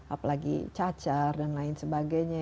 apalagi cacar dan lain sebagainya